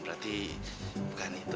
berarti bukan itu